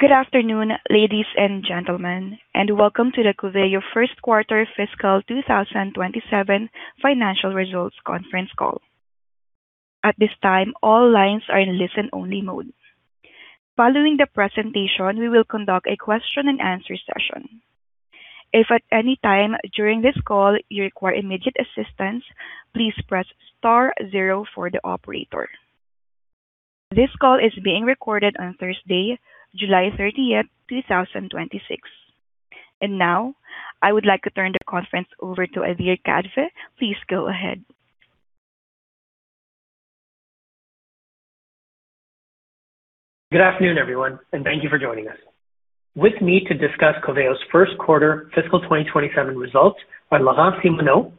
Good afternoon, ladies and gentlemen, welcome to the Coveo first quarter fiscal 2027 financial results conference call. At this time, all lines are in listen-only mode. Following the presentation, we will conduct a question-and-answer session. If at any time during this call you require immediate assistance, please press star zero for the operator. This call is being recorded on Thursday, July 30th, 2026. Now I would like to turn the conference over to Adhir Kadve. Please go ahead. Good afternoon, everyone, thank you for joining us. With me to discuss Coveo's first quarter fiscal 2027 results are Laurent Simoneau,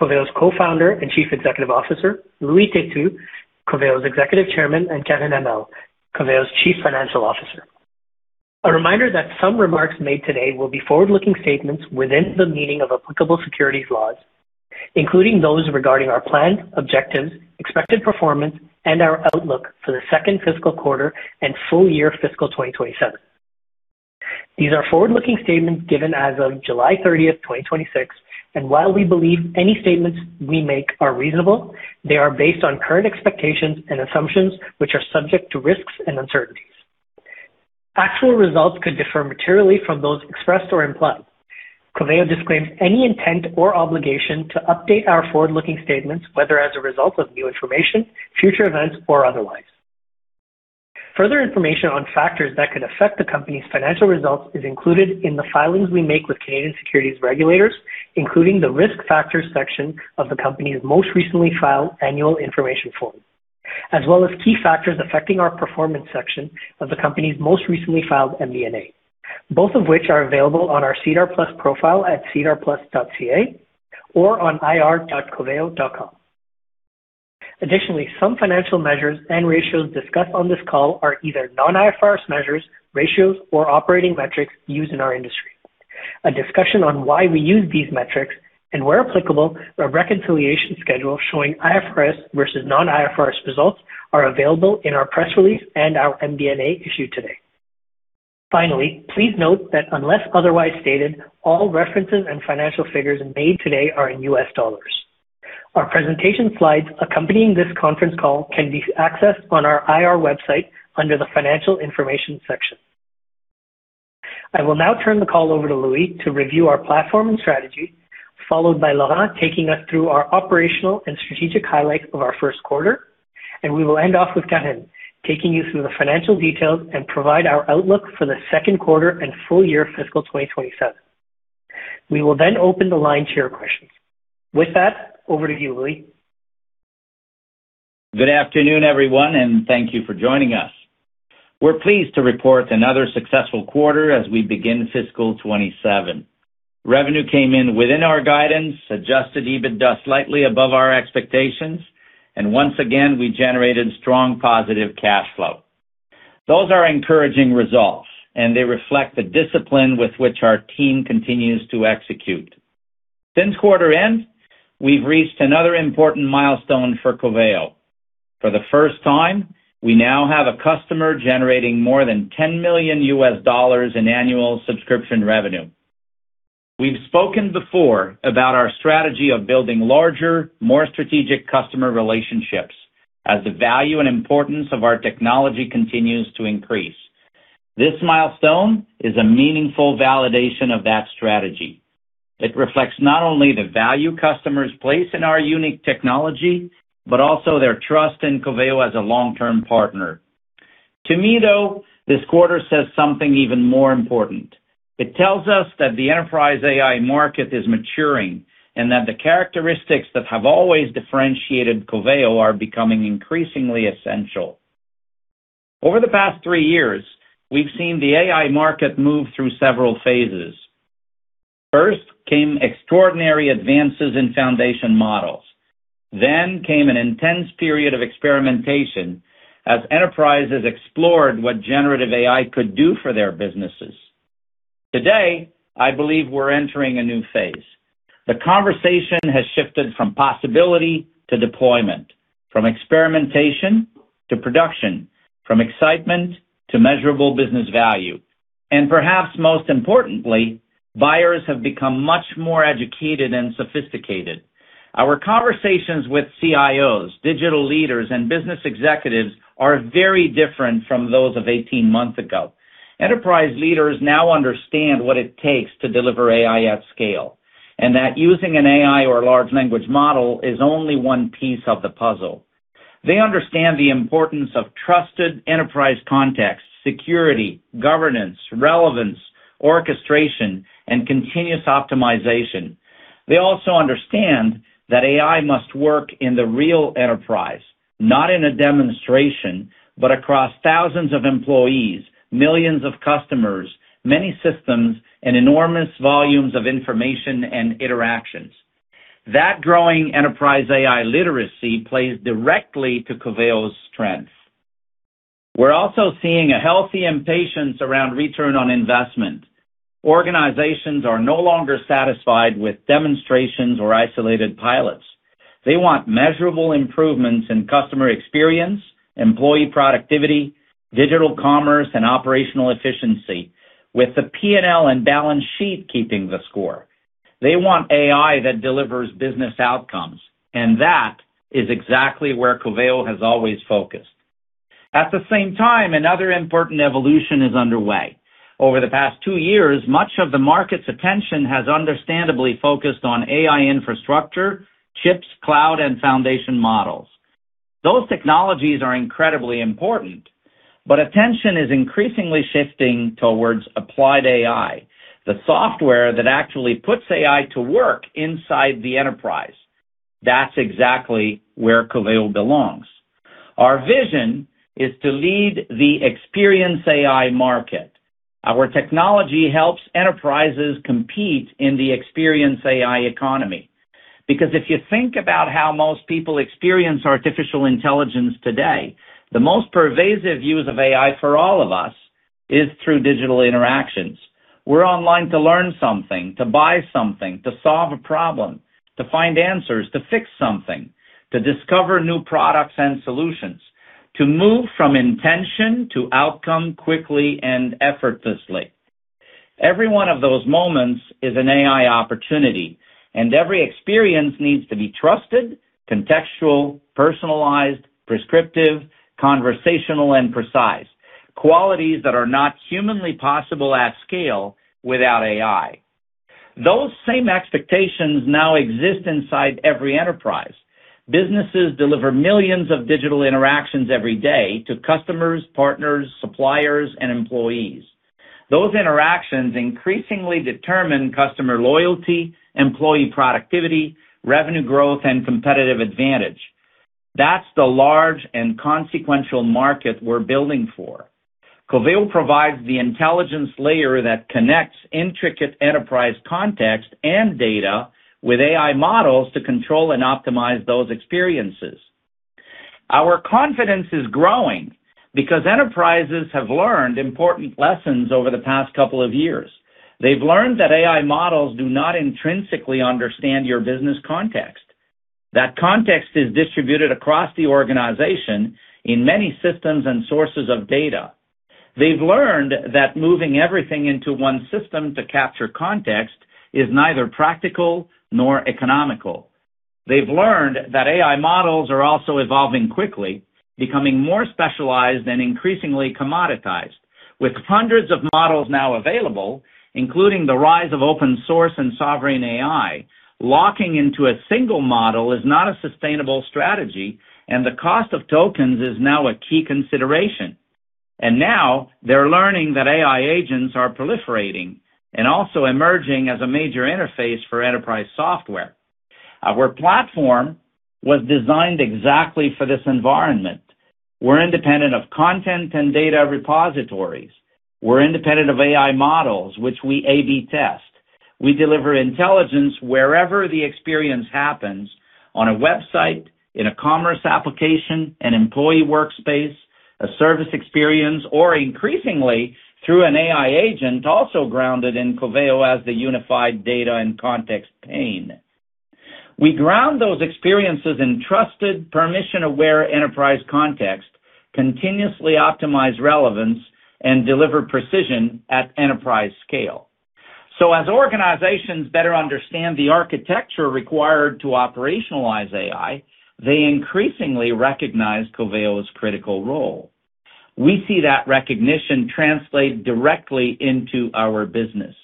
Coveo's Co-Founder and Chief Executive Officer, Louis Têtu, Coveo's Executive Chairman, and Karine Hamel, Coveo's Chief Financial Officer. A reminder that some remarks made today will be forward-looking statements within the meaning of applicable securities laws, including those regarding our plans, objectives, expected performance, our outlook for the second fiscal quarter and full year fiscal 2027. These are forward-looking statements given as of July 30th, 2026, while we believe any statements we make are reasonable, they are based on current expectations and assumptions, which are subject to risks and uncertainties. Actual results could differ materially from those expressed or implied. Coveo disclaims any intent or obligation to update our forward-looking statements, whether as a result of new information, future events, or otherwise. Further information on factors that could affect the company's financial results is included in the filings we make with Canadian securities regulators, including the Risk Factors section of the company's most recently filed annual information form, as well as Key Factors Affecting Our Performance section of the company's most recently filed MD&A, both of which are available on our SEDAR+ profile at sedarplus.ca or on ir.coveo.com. Additionally, some financial measures and ratios discussed on this call are either non-IFRS measures, ratios, or operating metrics used in our industry. A discussion on why we use these metrics, and where applicable, a reconciliation schedule showing IFRS versus non-IFRS results are available in our press release and our MD&A issued today. Finally, please note that unless otherwise stated, all references and financial figures made today are in US dollars. Our presentation slides accompanying this conference call can be accessed on our IR website under the Financial Information section. I will now turn the call over to Louis to review our platform and strategy, followed by Laurent taking us through our operational and strategic highlights of our first quarter, and we will end off with Karine taking you through the financial details and provide our outlook for the second quarter and full year fiscal 2027. We will then open the line to your questions. With that, over to you, Louis. Good afternoon, everyone, and thank you for joining us. We are pleased to report another successful quarter as we begin fiscal 2027. Revenue came in within our guidance, adjusted EBITDA slightly above our expectations, and once again, we generated strong positive cash flow. Those are encouraging results, and they reflect the discipline with which our team continues to execute. Since quarter end, we have reached another important milestone for Coveo. For the first time, we now have a customer generating more than $10 million in annual subscription revenue. We have spoken before about our strategy of building larger, more strategic customer relationships as the value and importance of our technology continues to increase. This milestone is a meaningful validation of that strategy. It reflects not only the value customers place in our unique technology, but also their trust in Coveo as a long-term partner. To me, though, this quarter says something even more important. It tells us that the enterprise AI market is maturing, and that the characteristics that have always differentiated Coveo are becoming increasingly essential. Over the past three years, we have seen the AI market move through several phases. First came extraordinary advances in foundation models. Came an intense period of experimentation as enterprises explored what generative AI could do for their businesses. Today, I believe we are entering a new phase. The conversation has shifted from possibility to deployment, from experimentation to production, from excitement to measurable business value. Perhaps most importantly, buyers have become much more educated and sophisticated. Our conversations with CIOs, digital leaders, and business executives are very different from those of 18 months ago. Enterprise leaders now understand what it takes to deliver AI at scale, and that using an AI or large language model is only one piece of the puzzle. They understand the importance of trusted enterprise context, security, governance, relevance, orchestration, and continuous optimization. They also understand that AI must work in the real enterprise, not in a demonstration, but across thousands of employees, millions of customers, many systems, and enormous volumes of information and interactions. That growing enterprise AI literacy plays directly to Coveo's strength. We are also seeing a healthy impatience around return on investment. Organizations are no longer satisfied with demonstrations or isolated pilots. They want measurable improvements in customer experience, employee productivity, digital commerce, and operational efficiency with the P&L and balance sheet keeping the score. They want AI that delivers business outcomes, and that is exactly where Coveo has always focused. At the same time, another important evolution is underway. Over the past two years, much of the market's attention has understandably focused on AI infrastructure, chips, cloud, and foundation models. Those technologies are incredibly important, but attention is increasingly shifting towards applied AI, the software that actually puts AI to work inside the enterprise. That is exactly where Coveo belongs. Our vision is to lead the Experience AI market. Our technology helps enterprises compete in the Experience AI economy. If you think about how most people experience artificial intelligence today, the most pervasive use of AI for all of us is through digital interactions. We are online to learn something, to buy something, to solve a problem, to find answers, to fix something, to discover new products and solutions, to move from intention to outcome quickly and effortlessly. Every one of those moments is an AI opportunity, every experience needs to be trusted, contextual, personalized, prescriptive, conversational, and precise. Qualities that are not humanly possible at scale without AI. Those same expectations now exist inside every enterprise. Businesses deliver millions of digital interactions every day to customers, partners, suppliers, and employees. Those interactions increasingly determine customer loyalty, employee productivity, revenue growth, and competitive advantage. That's the large and consequential market we're building for. Coveo provides the intelligence layer that connects intricate enterprise context and data with AI models to control and optimize those experiences. Our confidence is growing because enterprises have learned important lessons over the past two years. They've learned that AI models do not intrinsically understand your business context. That context is distributed across the organization in many systems and sources of data. They've learned that moving everything into one system to capture context is neither practical nor economical. They've learned that AI models are also evolving quickly, becoming more specialized and increasingly commoditized. With hundreds of models now available, including the rise of open source and sovereign AI, locking into a single model is not a sustainable strategy, the cost of tokens is now a key consideration. Now they're learning that AI agents are proliferating and also emerging as a major interface for enterprise software. Our platform was designed exactly for this environment. We're independent of content and data repositories. We're independent of AI models, which we A/B test. We deliver intelligence wherever the experience happens on a website, in a commerce application, an employee workspace, a service experience, or increasingly through an AI agent also grounded in Coveo as the unified data and context pane. We ground those experiences in trusted, permission-aware enterprise context, continuously optimize relevance, and deliver precision at enterprise scale. As organizations better understand the architecture required to operationalize AI, they increasingly recognize Coveo's critical role. We see that recognition translate directly into our business.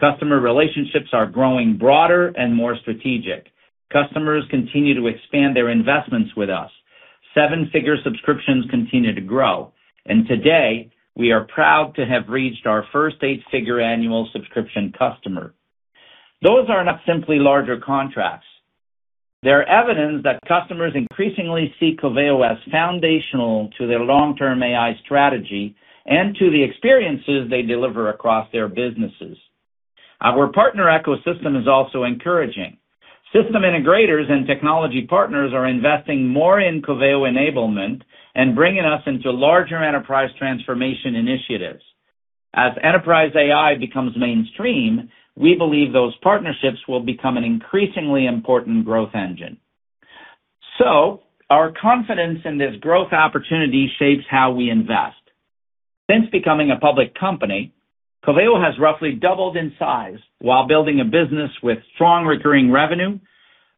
Customer relationships are growing broader and more strategic. Customers continue to expand their investments with us. Seven-figure subscriptions continue to grow. Today, we are proud to have reached our first eight-figure annual subscription customer. Those are not simply larger contracts. They're evidence that customers increasingly see Coveo as foundational to their long-term AI strategy and to the experiences they deliver across their businesses. Our partner ecosystem is also encouraging. System integrators and technology partners are investing more in Coveo enablement and bringing us into larger enterprise transformation initiatives. As enterprise AI becomes mainstream, we believe those partnerships will become an increasingly important growth engine. Our confidence in this growth opportunity shapes how we invest. Since becoming a public company, Coveo has roughly doubled in size while building a business with strong recurring revenue,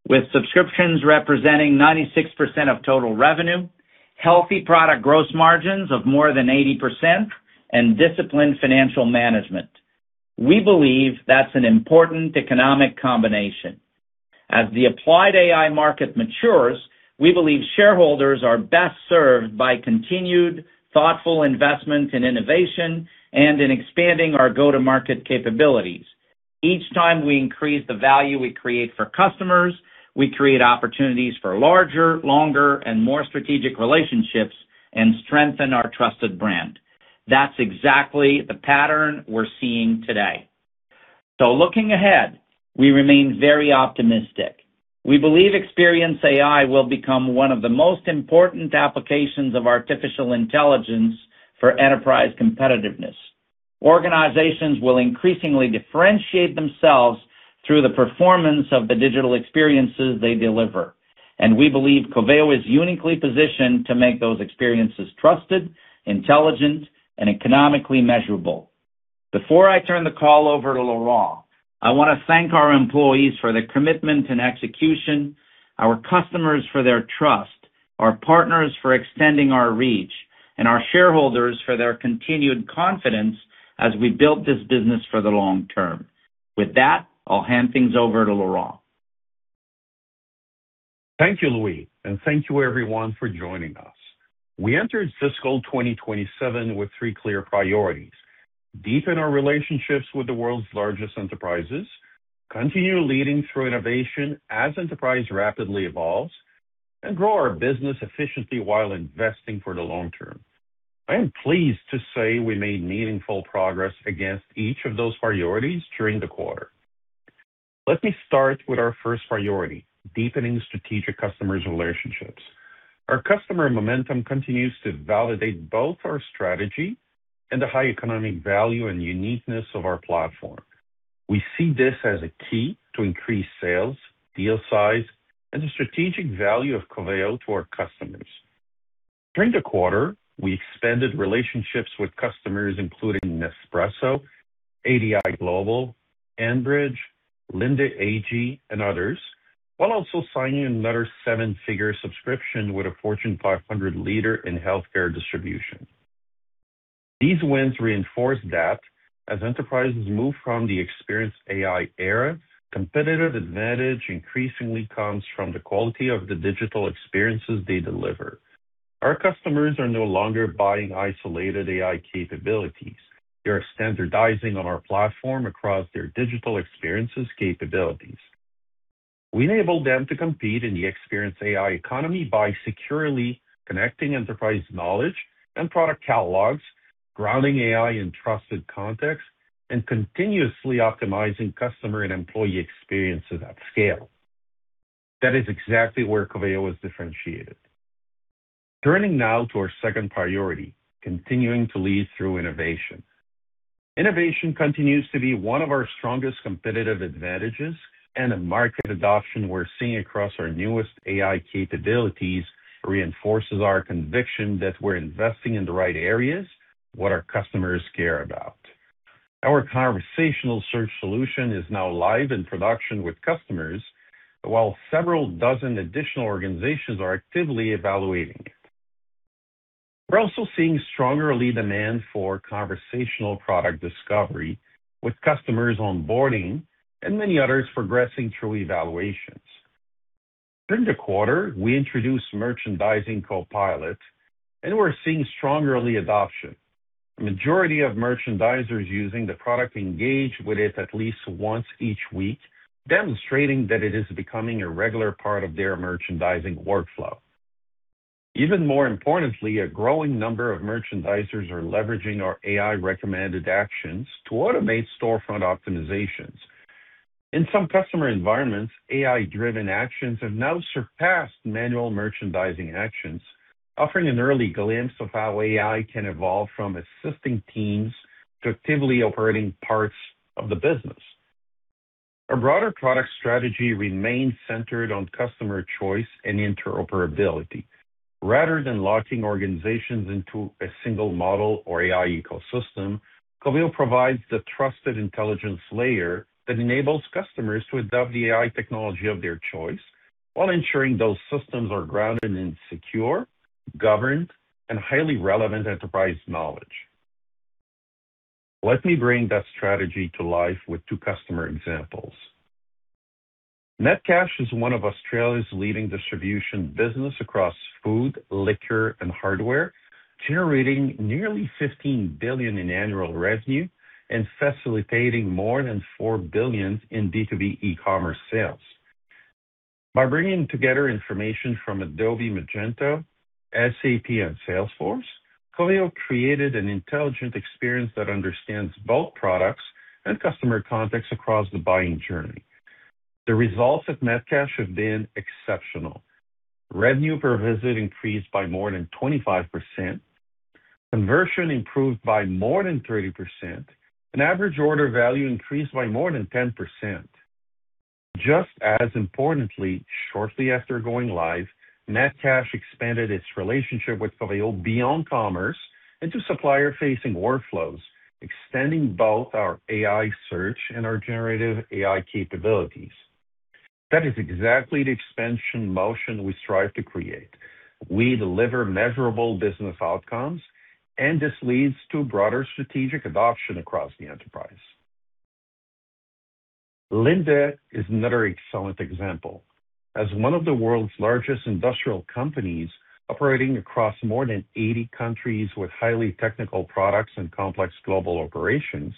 with subscriptions representing 96% of total revenue, healthy product gross margins of more than 80%, and disciplined financial management. We believe that's an important economic combination. As the applied AI market matures, we believe shareholders are best served by continued thoughtful investment in innovation and in expanding our go-to-market capabilities. Each time we increase the value we create for customers, we create opportunities for larger, longer, and more strategic relationships and strengthen our trusted brand. That's exactly the pattern we're seeing today. Looking ahead, we remain very optimistic. We believe Experience AI will become one of the most important applications of artificial intelligence for enterprise competitiveness. Organizations will increasingly differentiate themselves through the performance of the digital experiences they deliver. We believe Coveo is uniquely positioned to make those experiences trusted, intelligent, and economically measurable. Before I turn the call over to Laurent, I want to thank our employees for their commitment and execution, our customers for their trust, our partners for extending our reach, and our shareholders for their continued confidence as we build this business for the long term. With that, I'll hand things over to Laurent. Thank you, Louis, and thank you everyone for joining us. We entered fiscal 2027 with three clear priorities, deepen our relationships with the world's largest enterprises, continue leading through innovation as enterprise rapidly evolves, and grow our business efficiently while investing for the long term. I am pleased to say we made meaningful progress against each of those priorities during the quarter. Let me start with our first priority, deepening strategic customers' relationships. Our customer momentum continues to validate both our strategy and the high economic value and uniqueness of our platform. We see this as a key to increase sales, deal size, and the strategic value of Coveo to our customers. During the quarter, we expanded relationships with customers including Nespresso, ADI Global, Enbridge, Linde AG, and others, while also signing another seven-figure subscription with a Fortune 500 leader in healthcare distribution. These wins reinforce that as enterprises move from the Experience AI era, competitive advantage increasingly comes from the quality of the digital experiences they deliver. Our customers are no longer buying isolated AI capabilities. They are standardizing on our platform across their digital experiences capabilities. We enable them to compete in the Experience AI economy by securely connecting enterprise knowledge and product catalogs, grounding AI in trusted context, and continuously optimizing customer and employee experiences at scale. That is exactly where Coveo is differentiated. Turning now to our second priority, continuing to lead through innovation. Innovation continues to be one of our strongest competitive advantages. The market adoption we're seeing across our newest AI capabilities reinforces our conviction that we're investing in the right areas, what our customers care about. Our Conversational Search solution is now live in production with customers, while several dozen additional organizations are actively evaluating it. We're also seeing stronger lead demand for Conversational Product Discovery, with customers onboarding and many others progressing through evaluations. During the quarter, we introduced Merchandising Copilot. We're seeing strong early adoption. The majority of merchandisers using the product engage with it at least once each week, demonstrating that it is becoming a regular part of their merchandising workflow. Even more importantly, a growing number of merchandisers are leveraging our AI-recommended actions to automate storefront optimizations. In some customer environments, AI-driven actions have now surpassed manual merchandising actions, offering an early glimpse of how AI can evolve from assisting teams to actively operating parts of the business. Our broader product strategy remains centered on customer choice and interoperability. Rather than locking organizations into a single model or AI ecosystem, Coveo provides the trusted intelligence layer that enables customers to adopt the AI technology of their choice while ensuring those systems are grounded in secure, governed, and highly relevant enterprise knowledge. Let me bring that strategy to life with two customer examples. Metcash is one of Australia's leading distribution business across food, liquor, and hardware, generating nearly $15 billion in annual revenue and facilitating more than $4 billion in B2B e-commerce sales. By bringing together information from Adobe, Magento, SAP, and Salesforce, Coveo created an intelligent experience that understands both products and customer context across the buying journey. The results at Metcash have been exceptional. Revenue per visit increased by more than 25%, conversion improved by more than 30%, and average order value increased by more than 10%. Just as importantly, shortly after going live, Metcash expanded its relationship with Coveo beyond commerce into supplier-facing workflows, extending both our AI search and our generative AI capabilities. That is exactly the expansion motion we strive to create. We deliver measurable business outcomes, this leads to broader strategic adoption across the enterprise. Linde is another excellent example. As one of the world's largest industrial companies operating across more than 80 countries with highly technical products and complex global operations,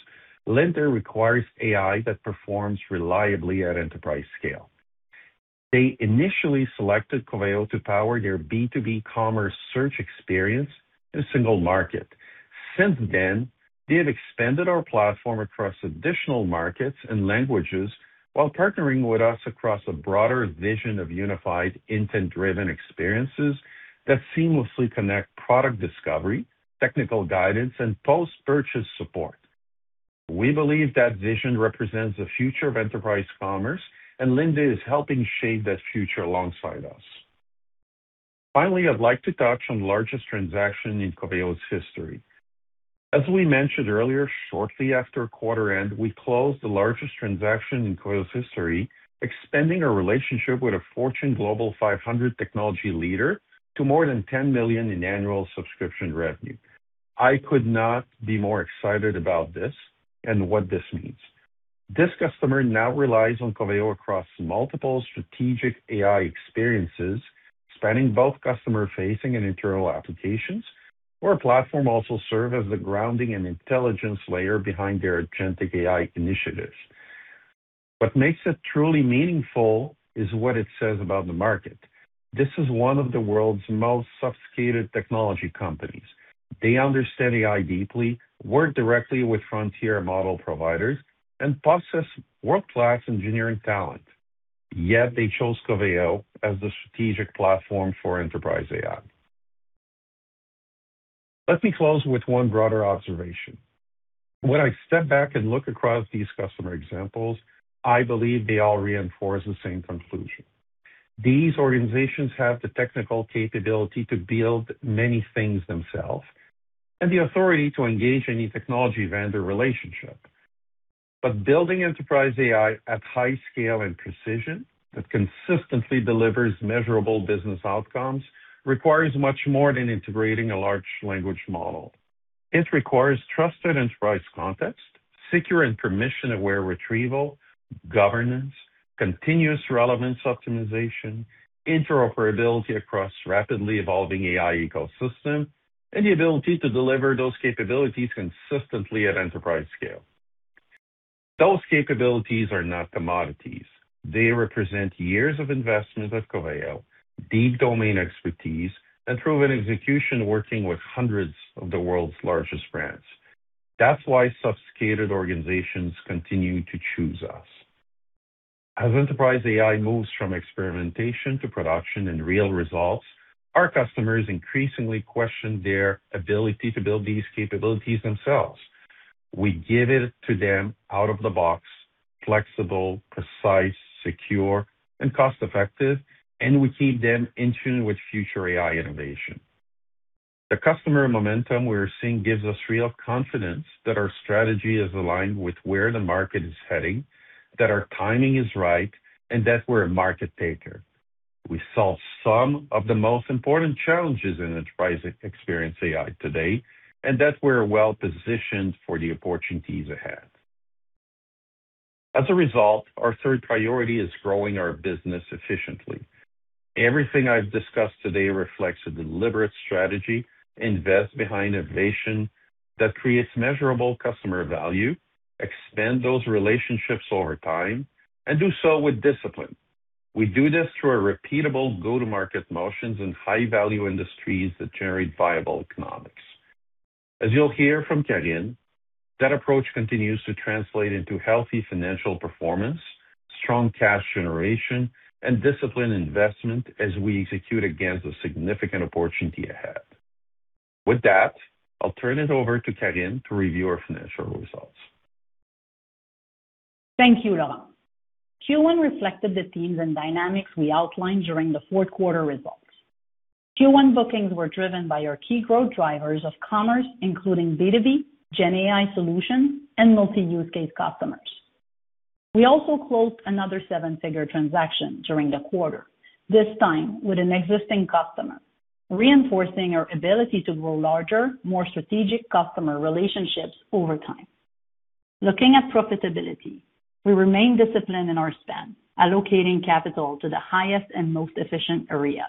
Linde requires AI that performs reliably at enterprise scale. They initially selected Coveo to power their B2B commerce search experience in a single market. Since then, they have expanded our platform across additional markets and languages while partnering with us across a broader vision of unified intent-driven experiences that seamlessly connect product discovery, technical guidance, and post-purchase support. We believe that vision represents the future of enterprise commerce, Linde is helping shape that future alongside us. Finally, I'd like to touch on the largest transaction in Coveo's history. As we mentioned earlier, shortly after quarter end, we closed the largest transaction in Coveo's history, expanding our relationship with a Fortune Global 500 technology leader to more than $10 million in annual subscription revenue. I could not be more excited about this, what this means. This customer now relies on Coveo across multiple strategic AI experiences, spanning both customer-facing and internal applications. Our platform also serves as the grounding and intelligence layer behind their agentic AI initiatives. What makes it truly meaningful is what it says about the market. This is one of the world's most sophisticated technology companies. They understand AI deeply, work directly with frontier model providers, and possess world-class engineering talent. They chose Coveo as the strategic platform for enterprise AI. Let me close with one broader observation. When I step back and look across these customer examples, I believe they all reinforce the same conclusion. These organizations have the technical capability to build many things themselves, the authority to engage any technology vendor relationship. Building enterprise AI at high scale and precision that consistently delivers measurable business outcomes requires much more than integrating a large language model. It requires trusted enterprise context, secure and permission aware retrieval, governance, continuous relevance optimization, interoperability across rapidly evolving AI ecosystem, the ability to deliver those capabilities consistently at enterprise scale. Those capabilities are not commodities. They represent years of investment at Coveo, deep domain expertise, and proven execution working with hundreds of the world's largest brands. That's why sophisticated organizations continue to choose us. As enterprise AI moves from experimentation to production and real results, our customers increasingly question their ability to build these capabilities themselves. We give it to them out of the box, flexible, precise, secure, and cost-effective, and we keep them in tune with future AI innovation. The customer momentum we're seeing gives us real confidence that our strategy is aligned with where the market is heading, that our timing is right, and that we're a market taker. We solve some of the most important challenges in enterprise Experience AI today, and that we're well-positioned for the opportunities ahead. As a result, our third priority is growing our business efficiently. Everything I've discussed today reflects a deliberate strategy to invest behind innovation that creates measurable customer value, expand those relationships over time, and do so with discipline. We do this through our repeatable go-to-market motions in high-value industries that generate viable economics. As you'll hear from Karine, that approach continues to translate into healthy financial performance, strong cash generation, and disciplined investment as we execute against a significant opportunity ahead. With that, I'll turn it over to Karine to review our financial results. Thank you, Laurent. Q1 reflected the themes and dynamics we outlined during the fourth quarter results. Q1 bookings were driven by our key growth drivers of commerce, including B2B, GenAI solutions, and multi-use case customers. We also closed another seven-figure transaction during the quarter, this time with an existing customer, reinforcing our ability to grow larger, more strategic customer relationships over time. Looking at profitability, we remain disciplined in our spend, allocating capital to the highest and most efficient areas.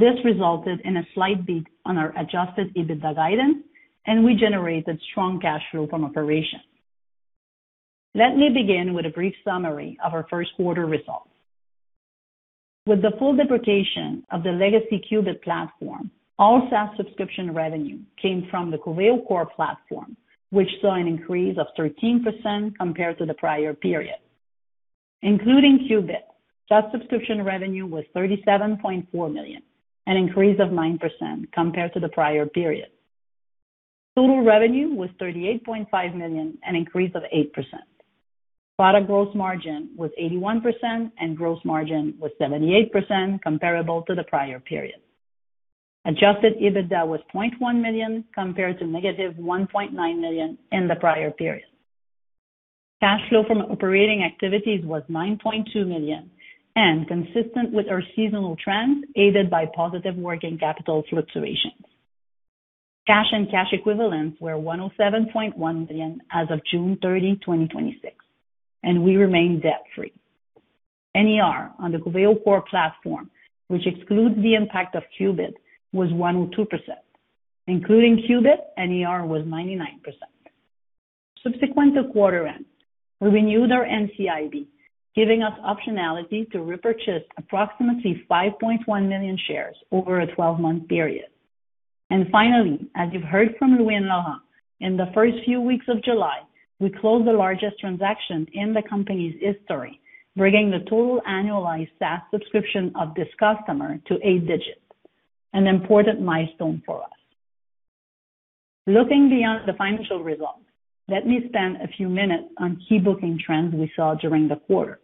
This resulted in a slight beat on our adjusted EBITDA guidance, and we generated strong cash flow from operations. Let me begin with a brief summary of our first quarter results. With the full deprecation of the legacy Qubit platform, all SaaS subscription revenue came from the Coveo Core platform, which saw an increase of 13% compared to the prior period. Including Qubit, that subscription revenue was $37.4 million, an increase of 9% compared to the prior period. Total revenue was $38.5 million, an increase of 8%. Product gross margin was 81% and gross margin was 78% comparable to the prior period. Adjusted EBITDA was $0.1 million compared to -$1.9 million in the prior period. Cash flow from operating activities was $9.2 million, and consistent with our seasonal trends, aided by positive working capital fluctuations. Cash and cash equivalents were $107.1 million as of June 30, 2026, and we remain debt-free. NER on the Coveo Core platform, which excludes the impact of Qubit, was 102%. Including Qubit, NER was 99%. Subsequent to quarter end, we renewed our NCIB, giving us optionality to repurchase approximately 5.1 million shares over a 12-month period. Finally, as you've heard from Louis and Laurent, in the first few weeks of July, we closed the largest transaction in the company's history, bringing the total annualized SaaS subscription of this customer to eight digits, an important milestone for us. Looking beyond the financial results, let me spend a few minutes on key booking trends we saw during the quarter.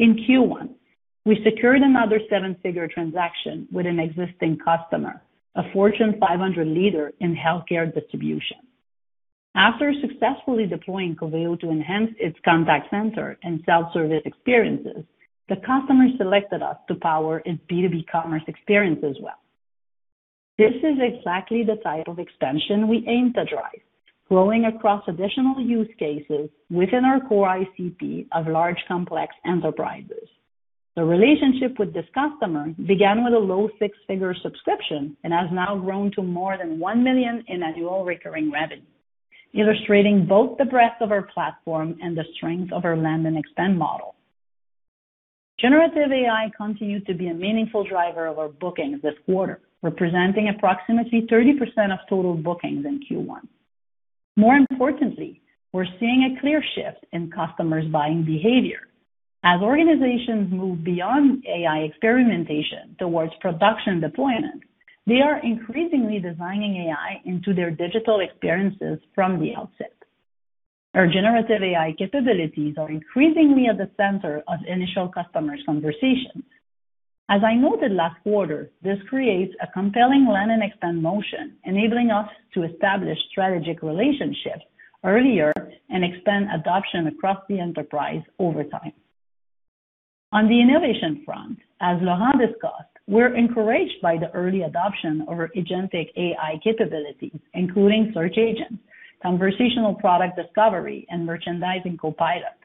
In Q1, we secured another seven-figure transaction with an existing customer, a Fortune 500 leader in healthcare distribution. After successfully deploying Coveo to enhance its contact center and self-service experiences, the customer selected us to power its B2B commerce experience as well. This is exactly the type of expansion we aim to drive, growing across additional use cases within our core ICP of large, complex enterprises. The relationship with this customer began with a low six-figure subscription and has now grown to more than $1 million in annual recurring revenue, illustrating both the breadth of our platform and the strength of our land-and-expand model. Generative AI continued to be a meaningful driver of our bookings this quarter, representing approximately 30% of total bookings in Q1. More importantly, we're seeing a clear shift in customers' buying behavior. As organizations move beyond AI experimentation towards production deployment, they are increasingly designing AI into their digital experiences from the outset. Our generative AI capabilities are increasingly at the center of initial customers' conversations. As I noted last quarter, this creates a compelling land-and-expand motion, enabling us to establish strategic relationships earlier and expand adoption across the enterprise over time. On the innovation front, as Laurent discussed, we're encouraged by the early adoption of our agentic AI capabilities, including search agents, Conversational Product Discovery, and Merchandising Copilot.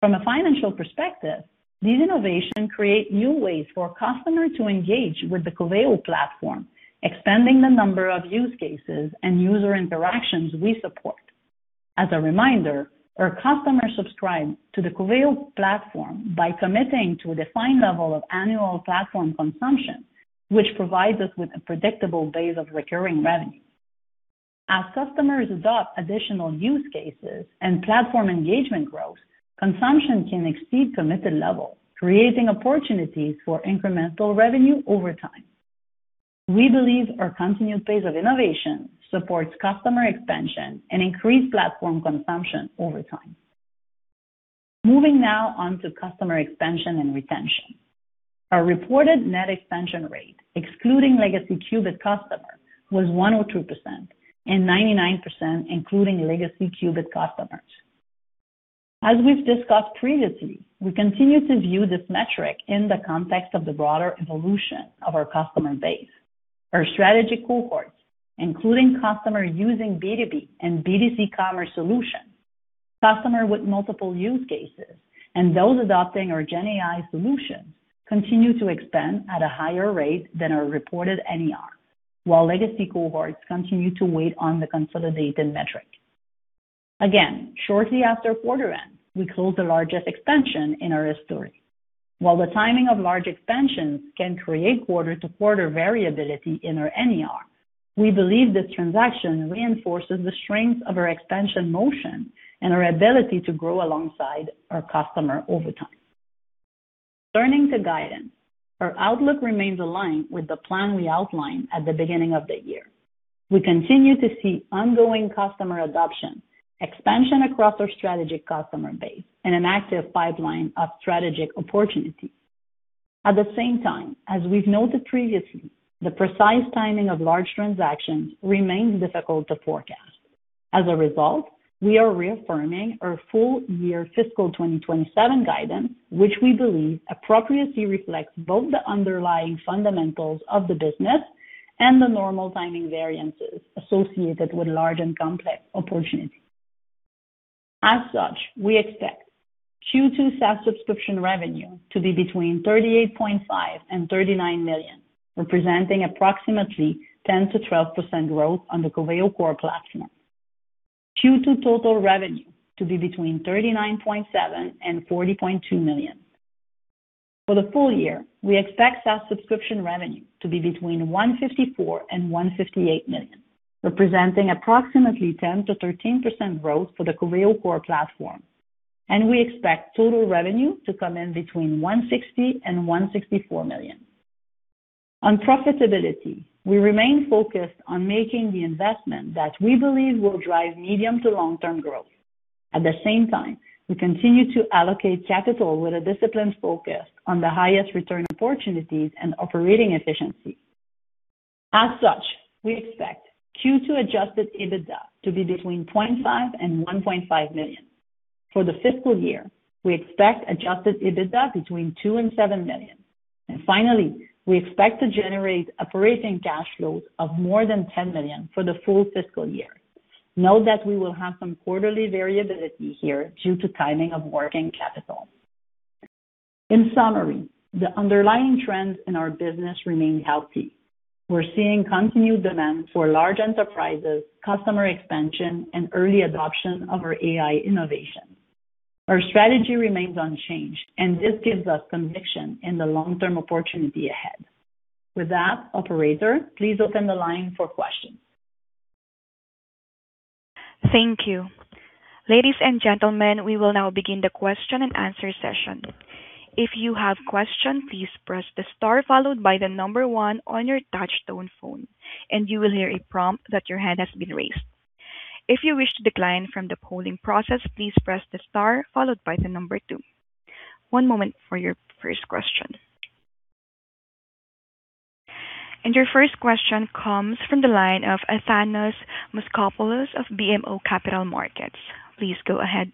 From a financial perspective, these innovations create new ways for a customer to engage with the Coveo platform, expanding the number of use cases and user interactions we support. As a reminder, our customers subscribe to the Coveo platform by committing to a defined level of annual platform consumption, which provides us with a predictable base of recurring revenue. As customers adopt additional use cases and platform engagement growth, consumption can exceed committed levels, creating opportunities for incremental revenue over time. We believe our continued pace of innovation supports customer expansion and increased platform consumption over time. Moving now on to customer expansion and retention. Our reported net expansion rate, excluding legacy Qubit customers, was 102%, and 99% including legacy Qubit customers. As we've discussed previously, we continue to view this metric in the context of the broader evolution of our customer base. Our strategy cohorts, including customers using B2B and B2C commerce solutions, customers with multiple use cases, and those adopting our GenAI solutions, continue to expand at a higher rate than our reported NER, while legacy cohorts continue to wait on the consolidated metric. Again, shortly after quarter end, we closed the largest expansion in our history. While the timing of large expansions can create quarter-to-quarter variability in our NER, we believe this transaction reinforces the strength of our expansion motion and our ability to grow alongside our customer over time. Turning to guidance, our outlook remains aligned with the plan we outlined at the beginning of the year. We continue to see ongoing customer adoption, expansion across our strategy customer base, and an active pipeline of strategic opportunities. At the same time, as we've noted previously, the precise timing of large transactions remains difficult to forecast. As a result, we are reaffirming our full year fiscal 2027 guidance, which we believe appropriately reflects both the underlying fundamentals of the business and the normal timing variances associated with large and complex opportunities. As such, we expect Q2 SaaS subscription revenue to be between $38.5 million-$39 million, representing approximately 10%-12% growth on the Coveo Core platform. Q2 total revenue to be between $39.7 million-$40.2 million. For the full year, we expect SaaS subscription revenue to be between $154 million-$158 million, representing approximately 10%-13% growth for the Coveo Core platform, and we expect total revenue to come in between $160 million-$164 million. On profitability, we remain focused on making the investment that we believe will drive medium to long-term growth. At the same time, we continue to allocate capital with a disciplined focus on the highest return opportunities and operating efficiency. As such, we expect Q2 adjusted EBITDA to be between $0.5 million-$1.5 million. For the fiscal year, we expect adjusted EBITDA between $2 million-$7 million. Finally, we expect to generate operating cash flows of more than $10 million for the full fiscal year. Note that we will have some quarterly variability here due to timing of working capital. In summary, the underlying trends in our business remain healthy. We're seeing continued demand for large enterprises, customer expansion, and early adoption of our AI innovations. Our strategy remains unchanged, and this gives us conviction in the long-term opportunity ahead. With that, operator, please open the line for questions. Thank you. Ladies and gentlemen, we will now begin the question and answer session. If you have questions, please press the star followed by the number one on your touch-tone phone, and you will hear a prompt that your hand has been raised. If you wish to decline from the polling process, please press the star followed by the number two. One moment for your first question. Your first question comes from the line of Thanos Moschopoulos of BMO Capital Markets. Please go ahead.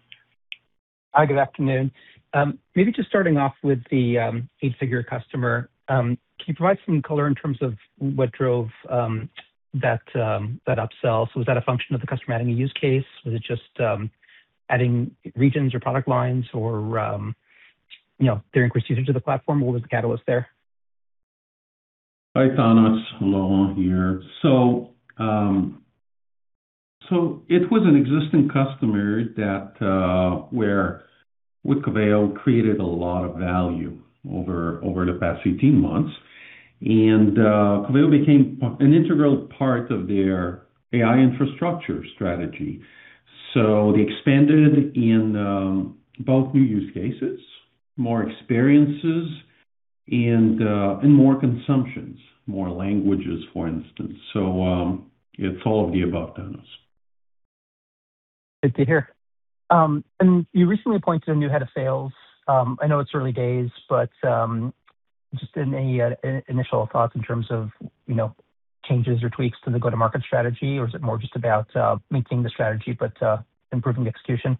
Hi, good afternoon. Maybe just starting off with the eight-figure customer. Can you provide some color in terms of what drove that upsell? Was that a function of the customer adding a use case? Was it just adding regions or product lines or their increased usage of the platform? What was the catalyst there? Hi, Thanos. Laurent here. It was an existing customer that, where with Coveo created a lot of value over the past 18 months. Coveo became an integral part of their AI infrastructure strategy. They expanded in both new use cases, more experiences, and more consumptions, more languages, for instance. It's all of the above, Thanos. Good to hear. You recently appointed a new head of sales. I know it's early days, but just any initial thoughts in terms of changes or tweaks to the go-to-market strategy, or is it more just about maintaining the strategy, but improving execution?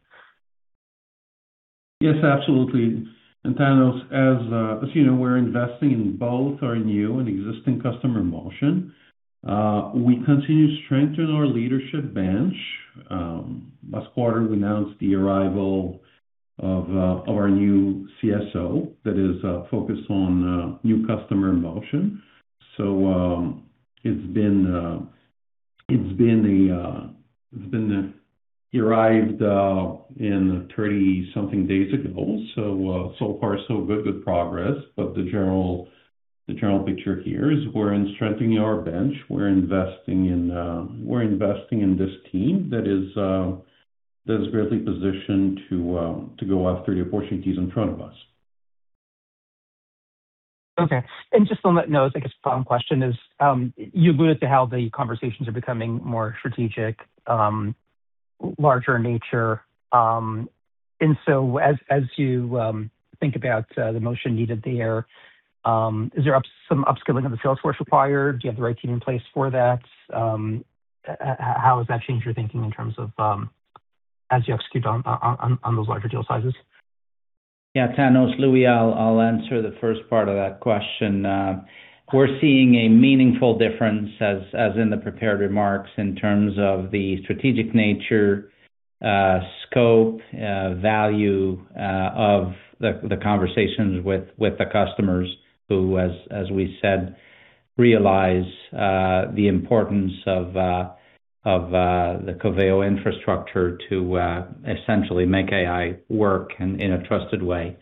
Yes, absolutely. Thanos, as you know, we're investing in both our new and existing customer motion. We continue to strengthen our leadership bench. Last quarter, we announced the arrival of our new CSO that is focused on new customer motion. It's been, arrived in 30 something days ago. So far, so good with progress. The general picture here is we're strengthening our bench. We're investing in this team that is greatly positioned to go after the opportunities in front of us. Okay. Just on that note, I guess a follow-on question is, you alluded to how the conversations are becoming more strategic, larger in nature. As you think about the motion needed there, is there some upskilling of the sales force required? Do you have the right team in place for that? How has that changed your thinking in terms of, as you execute on those larger deal sizes? Yeah, Thanos, Louis, I'll answer the first part of that question. We're seeing a meaningful difference as in the prepared remarks in terms of the strategic nature, scope, value of the conversations with the customers who, as we said, realize the importance of the Coveo infrastructure to essentially make AI work in a trusted way.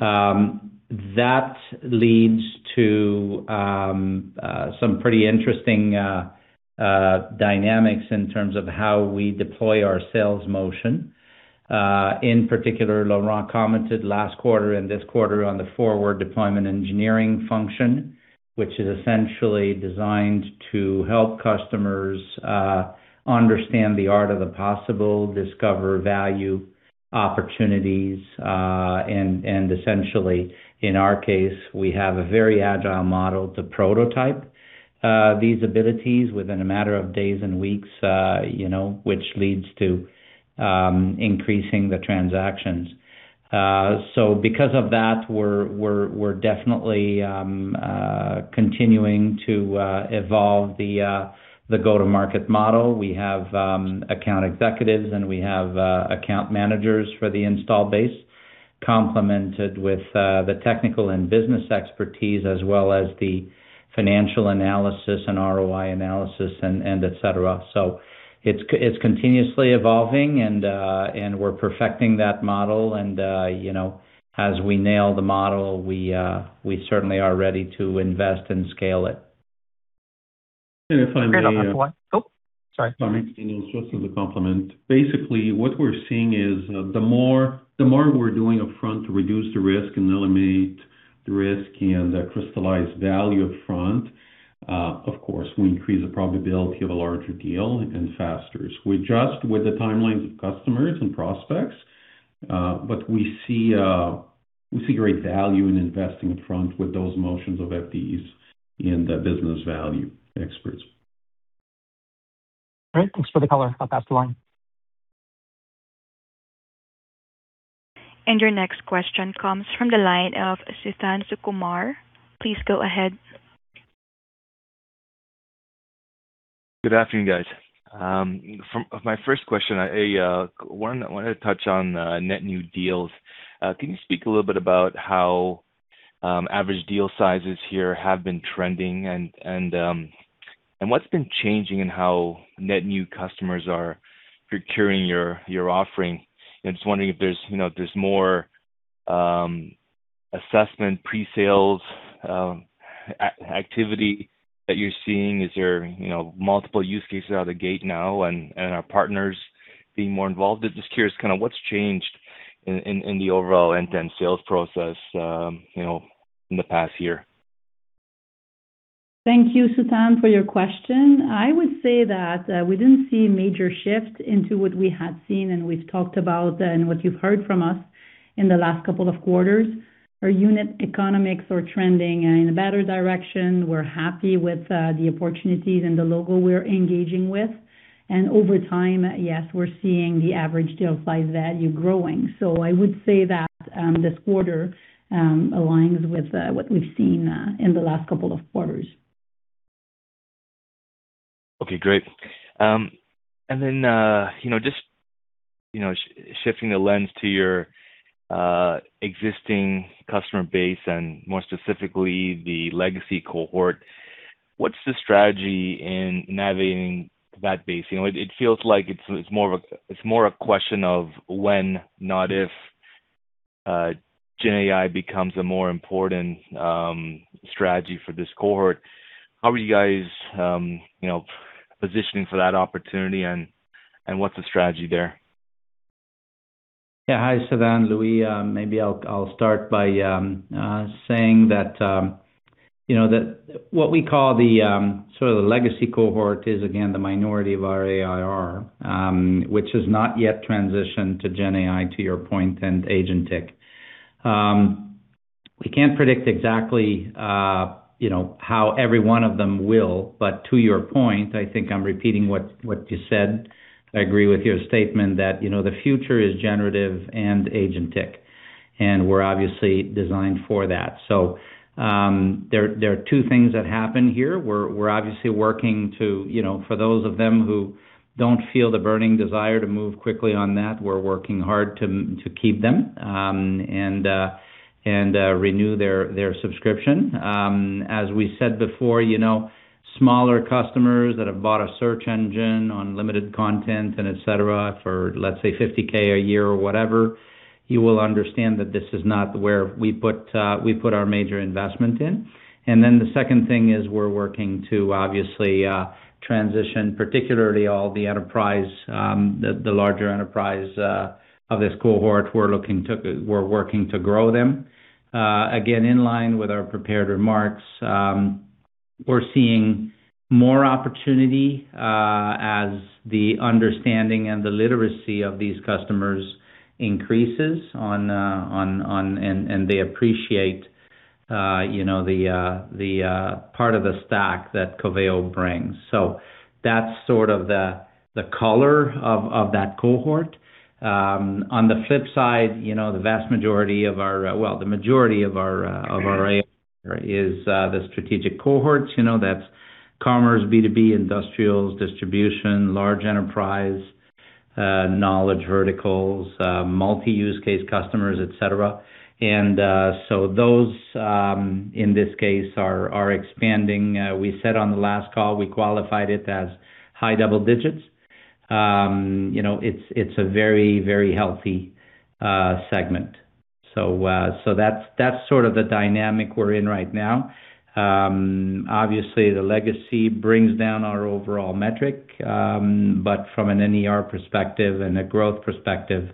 That leads to some pretty interesting dynamics in terms of how we deploy our sales motion. In particular, Laurent commented last quarter and this quarter on the forward deployment engineering function, which is essentially designed to help customers understand the art of the possible, discover value opportunities, and essentially, in our case, we have a very agile model to prototype these abilities within a matter of days and weeks which leads to increasing the transactions. Because of that, we're definitely continuing to evolve the go-to-market model. We have account executives, and we have account managers for the install base, complemented with the technical and business expertise as well as the financial analysis and ROI analysis, and et cetera. It's continuously evolving, and we're perfecting that model, and as we nail the model, we certainly are ready to invest and scale it. Great. I'll pass the line. Oh, sorry. Sorry. Just as a complement. Basically, what we're seeing is the more we're doing upfront to reduce the risk and eliminate the risk and crystallize value upfront, of course, we increase the probability of a larger deal and faster. We adjust with the timelines of customers and prospects, but we see great value in investing upfront with those motions of FDEs and the business value experts. Great. Thanks for the color. I'll pass the line. Your next question comes from the line of Suthan Sukumar. Please go ahead. Good afternoon, guys. For my first question, I wanted to touch on net new deals. Can you speak a little bit about how average deal sizes here have been trending and what's been changing in how net new customers are procuring your offering? Just wondering if there's more assessment pre-sales activity that you're seeing. Is there multiple use cases out of the gate now and are partners being more involved? Just curious what's changed in the overall end-to-end sales process in the past year. Thank you, Suthan, for your question. I would say that we didn't see a major shift into what we had seen and we've talked about and what you've heard from us in the last couple of quarters. Our unit economics are trending in a better direction. We're happy with the opportunities and the logo we're engaging with. Over time, yes, we're seeing the average deal size value growing. I would say that this quarter aligns with what we've seen in the last couple of quarters. Okay, great. Then just shifting the lens to your existing customer base and more specifically the legacy cohort, what's the strategy in navigating that base? It feels like it's more a question of when, not if, GenAI becomes a more important strategy for this cohort. How are you guys positioning for that opportunity, and what's the strategy there? Yeah. Hi, Suthan, Louis. Maybe I'll start by saying that what we call the sort of the legacy cohort is, again, the minority of our ARR, which has not yet transitioned to GenAI, to your point, and agentic. We can't predict exactly how every one of them will, but to your point, I think I'm repeating what you said. I agree with your statement that the future is generative and agentic, and we're obviously designed for that. There are two things that happen here. We're obviously working to, for those of them who don't feel the burning desire to move quickly on that, we're working hard to keep them and renew their subscription. As we said before, smaller customers that have bought a search engine on limited content and et cetera, for let's say $50K a year or whatever, you will understand that this is not where we put our major investment in. Then the second thing is we're working to obviously transition, particularly all the enterprise, the larger enterprise of this cohort, we're working to grow them. Again, in line with our prepared remarks, we're seeing more opportunity as the understanding and the literacy of these customers increases and they appreciate the part of the stack that Coveo brings. That's sort of the color of that cohort. On the flip side, the vast majority of our-- well, the majority of our ARR is the strategic cohorts. That's commerce, B2B, industrials, distribution, large enterprise, knowledge verticals, multi-use case customers, et cetera. So those, in this case, are expanding. We said on the last call, we qualified it as high double digits. It's a very healthy segment. That's sort of the dynamic we're in right now. Obviously, the legacy brings down our overall metric, but from an NER perspective and a growth perspective,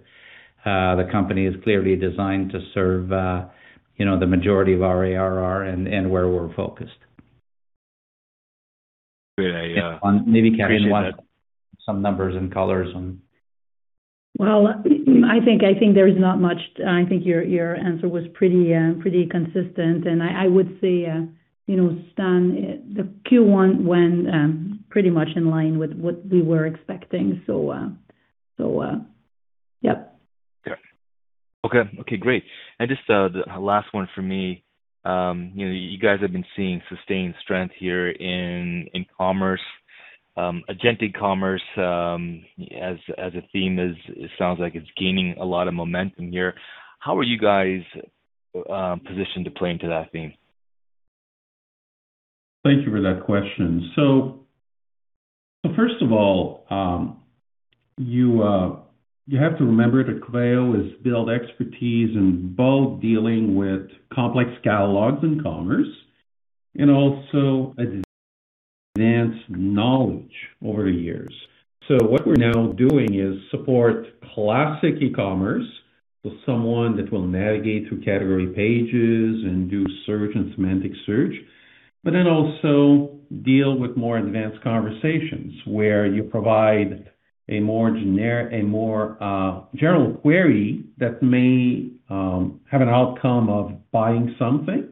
the company is clearly designed to serve the majority of our ARR and where we're focused. Great. I appreciate that. Maybe, Karine, you want some numbers and colors. Well, I think there is not much. I think your answer was pretty consistent. I would say, Suthan, the Q1 went pretty much in line with what we were expecting. Yep. Okay. Great. Just the last one from me. You guys have been seeing sustained strength here in commerce. Agentic commerce as a theme is, it sounds like it is gaining a lot of momentum here. How are you guys positioned to play into that theme? Thank you for that question. First of all, you have to remember that Coveo has built expertise in both dealing with complex catalogs and commerce and also advanced knowledge over the years. What we're now doing is support classic e-commerce, someone that will navigate through category pages and do search and semantic search, also deal with more advanced conversations where you provide a more general query that may have an outcome of buying something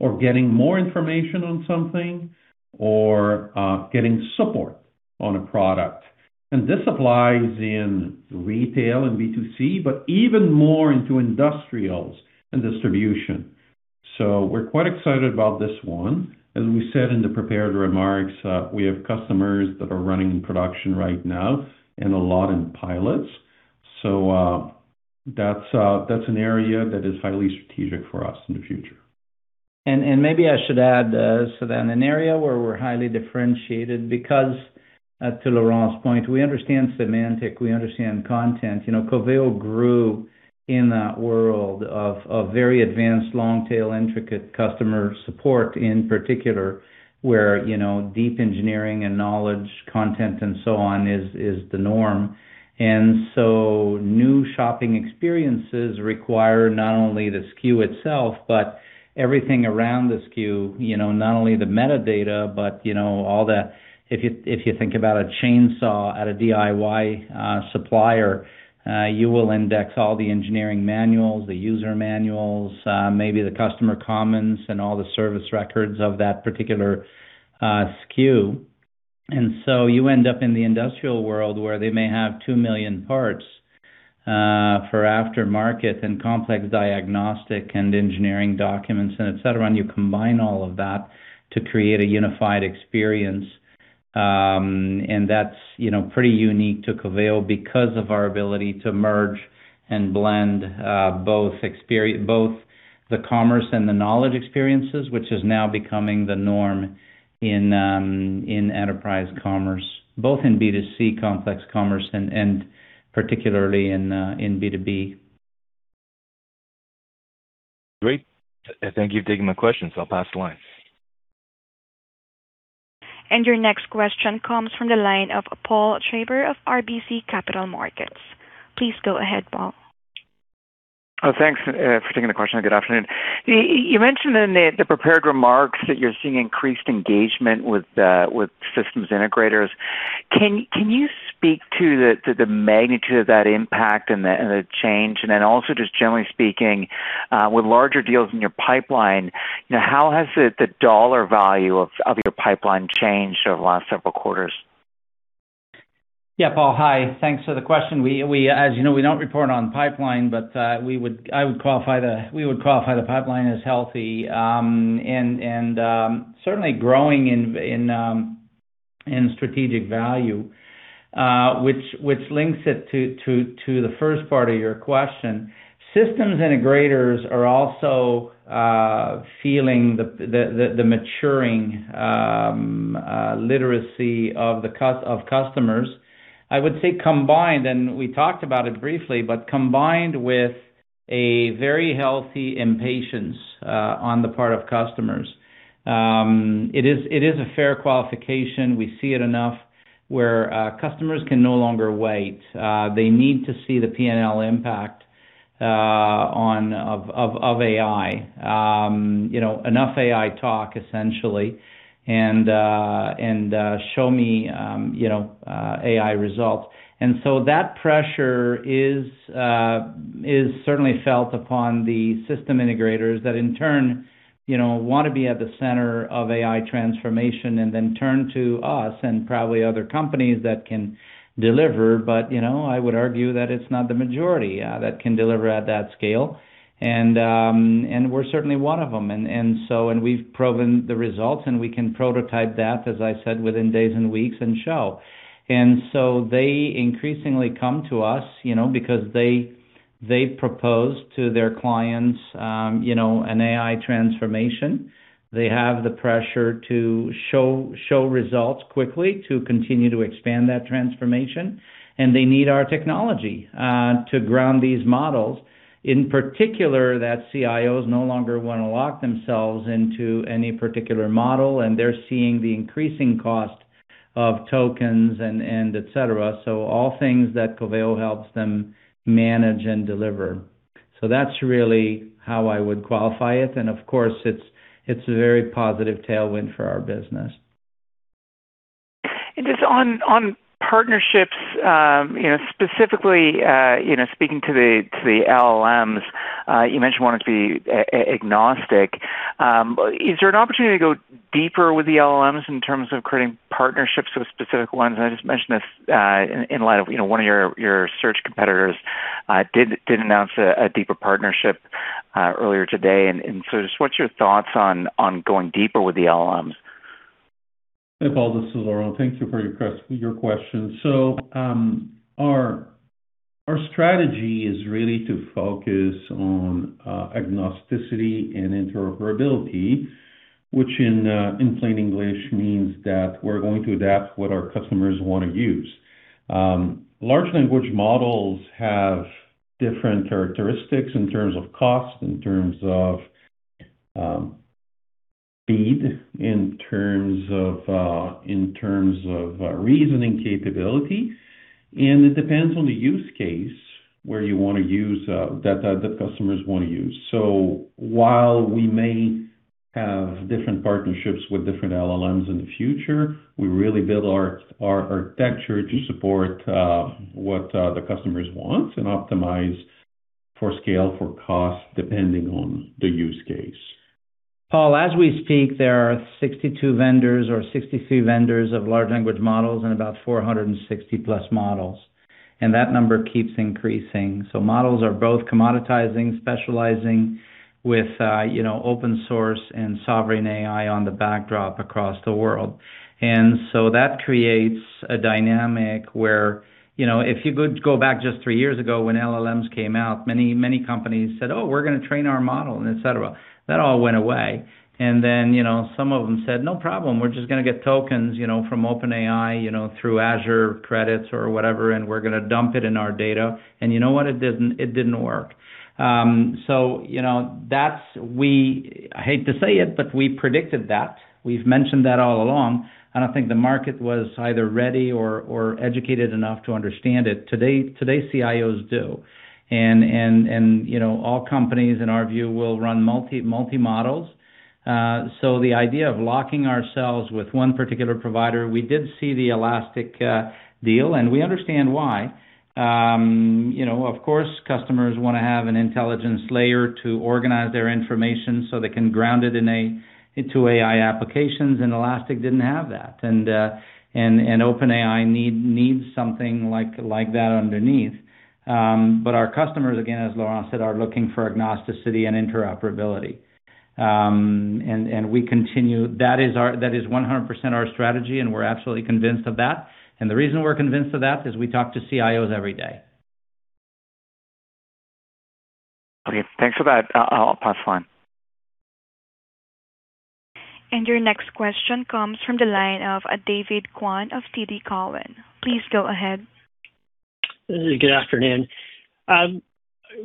or getting more information on something or getting support on a product. This applies in retail and B2C, but even more into industrials and distribution. We're quite excited about this one. As we said in the prepared remarks, we have customers that are running production right now and a lot in pilots. That's an area that is highly strategic for us in the future. Maybe I should add, Suthan, an area where we're highly differentiated because, to Laurent's point, we understand semantic, we understand content. Coveo grew in that world of very advanced, long-tail, intricate customer support in particular, where deep engineering and knowledge content and so on is the norm. New shopping experiences require not only the SKU itself, but everything around the SKU, not only the metadata. If you think about a chainsaw at a DIY supplier, you will index all the engineering manuals, the user manuals, maybe the customer comments, and all the service records of that particular SKU. You end up in the industrial world, where they may have 2 million parts for aftermarket and complex diagnostic and engineering documents and et cetera, and you combine all of that to create a unified experience. That's pretty unique to Coveo because of our ability to merge and blend both the commerce and the knowledge experiences, which is now becoming the norm in enterprise commerce, both in B2C complex commerce and particularly in B2B. Great. Thank you for taking my questions. I'll pass the line. Your next question comes from the line of Paul Treiber of RBC Capital Markets. Please go ahead, Paul. Thanks for taking the question. Good afternoon. You mentioned in the prepared remarks that you're seeing increased engagement with systems integrators. Can you speak to the magnitude of that impact and the change? Also just generally speaking, with larger deals in your pipeline, how has the dollar value of your pipeline changed over the last several quarters? Paul, hi. Thanks for the question. As you know, we don't report on pipeline, we would qualify the pipeline as healthy, and certainly growing in strategic value, which links it to the first part of your question. Systems integrators are also feeling the maturing literacy of customers, I would say, combined with a very healthy impatience on the part of customers. It is a fair qualification. We see it enough where customers can no longer wait. They need to see the P&L impact of AI. Enough AI talk, essentially, show me AI results. That pressure is certainly felt upon the system integrators that in turn, want to be at the center of AI transformation then turn to us and probably other companies that can deliver. I would argue that it's not the majority that can deliver at that scale. We're certainly one of them. We've proven the results, and we can prototype that, as I said, within days and weeks and show. They increasingly come to us, because they propose to their clients an AI transformation. They have the pressure to show results quickly to continue to expand that transformation. They need our technology to ground these models. In particular, CIOs no longer want to lock themselves into any particular model, they're seeing the increasing cost of tokens et cetera. All things that Coveo helps them manage and deliver. That's really how I would qualify it. Of course, it's a very positive tailwind for our business. Just on partnerships, specifically, speaking to the LLMs, you mentioned wanting to be agnostic. Is there an opportunity to go deeper with the LLMs in terms of creating partnerships with specific ones? I just mention this in light of one of your search competitors did announce a deeper partnership earlier today. Just what's your thoughts on going deeper with the LLMs? Hey, Paul, this is Laurent. Thank you for your question. Our strategy is really to focus on agnosticity and interoperability, which in plain English means that we're going to adapt what our customers want to use. Large language models have different characteristics in terms of cost, in terms of speed, in terms of reasoning capability. It depends on the use case that the customers want to use. While we may have different partnerships with different LLMs in the future, we really build our architecture to support what the customers want and optimize for scale, for cost, depending on the use case. Paul, as we speak, there are 62 vendors or 63 vendors of large language models and about 460 plus models, that number keeps increasing. Models are both commoditizing, specializing with open source and sovereign AI on the backdrop across the world. That creates a dynamic where, if you go back just three years ago when LLMs came out, many companies said, "Oh, we're going to train our model," et cetera. That all went away. Then some of them said, "No problem. We're just going to get tokens from OpenAI through Azure credits or whatever, we're going to dump it in our data." You know what? It didn't work. I hate to say it, but we predicted that. We've mentioned that all along, and I think the market was either ready or educated enough to understand it. Today, CIOs do. All companies, in our view, will run multi-models. The idea of locking ourselves with one particular provider, we did see the Elastic deal, and we understand why. Of course, customers want to have an intelligence layer to organize their information so they can ground it into AI applications, Elastic didn't have that. OpenAI needs something like that underneath. Our customers, again, as Laurent said, are looking for agnosticity and interoperability. That is 100% our strategy, and we're absolutely convinced of that. The reason we're convinced of that is we talk to CIOs every day. Okay. Thanks for that, Paul. I'll pass the line. Your next question comes from the line of David Kwan of TD Cowen. Please go ahead. Good afternoon.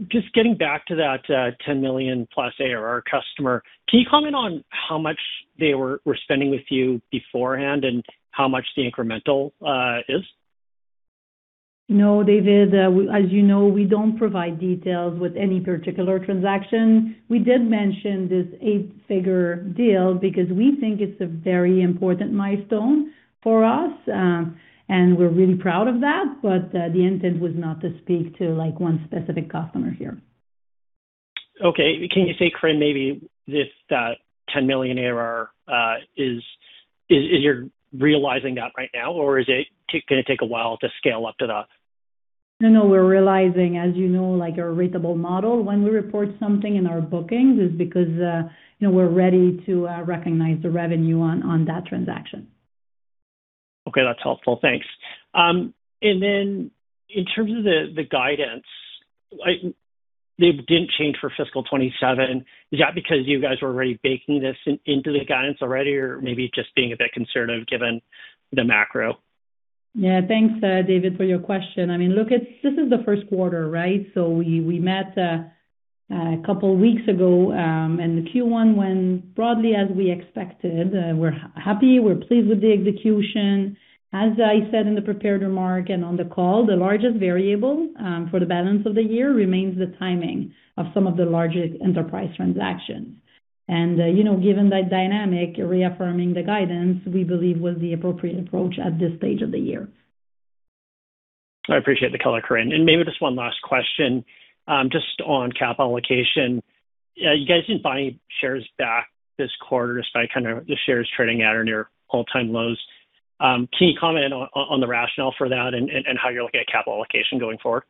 Just getting back to that $10+ million ARR customer, can you comment on how much they were spending with you beforehand and how much the incremental is? No, David. As you know, we don't provide details with any particular transaction. We did mention this eight-figure deal because we think it's a very important milestone for us, and we're really proud of that. The intent was not to speak to one specific customer here. Okay. Can you say, Karine, maybe if that $10 million ARR, is you're realizing that right now, or is it going to take a while to scale up to that? No, we're realizing, as you know, like a ratable model. When we report something in our bookings is because we're ready to recognize the revenue on that transaction. Okay. That's helpful. Thanks. Then in terms of the guidance, it didn't change for fiscal 2027. Is that because you guys were already baking this into the guidance already or maybe just being a bit concerned given the macro? Yeah. Thanks, David, for your question. This is the first quarter, right? We met a couple of weeks ago, the Q1 went broadly as we expected. We're happy, we're pleased with the execution. As I said in the prepared remarks and on the call, the largest variable for the balance of the year remains the timing of some of the largest enterprise transactions. Given that dynamic, reaffirming the guidance, we believe was the appropriate approach at this stage of the year. I appreciate the color, Karine. Maybe just one last question, just on capital allocation. You guys didn't buy shares back this quarter despite kind of the shares trading at or near all-time lows. Can you comment on the rationale for that and how you're looking at capital allocation going forward?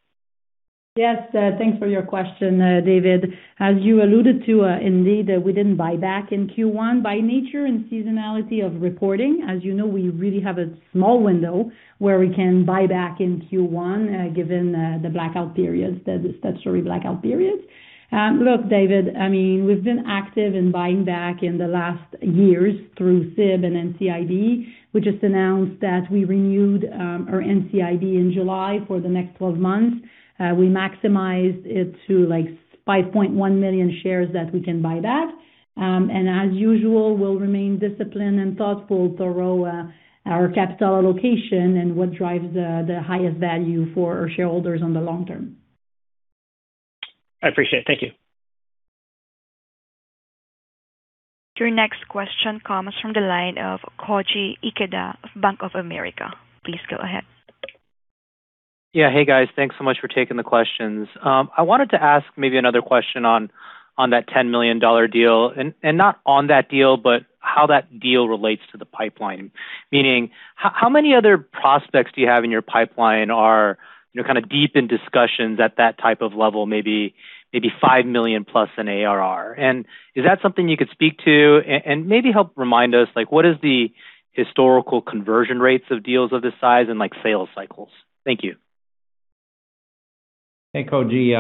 Yes. Thanks for your question, David. As you alluded to, indeed, we didn't buy back in Q1. By nature and seasonality of reporting, as you know, we really have a small window where we can buy back in Q1, given the blackout periods, the statutory blackout periods. Look, David, we've been active in buying back in the last years through SIB and NCIB. We just announced that we renewed our NCIB in July for the next 12 months. We maximized it to 5.1 million shares that we can buy back. As usual, we'll remain disciplined and thoughtful throughout our capital allocation and what drives the highest value for our shareholders on the long term. I appreciate it. Thank you. Your next question comes from the line of Koji Ikeda of Bank of America. Please go ahead. Yeah. Hey, guys. Thanks so much for taking the questions. I wanted to ask maybe another question on that $10 million deal, not on that deal, but how that deal relates to the pipeline. Meaning, how many other prospects do you have in your pipeline are kind of deep in discussions at that type of level, maybe $5+ million in ARR? Is that something you could speak to? Maybe help remind us, what is the historical conversion rates of deals of this size and sales cycles? Thank you. Hey, Koji.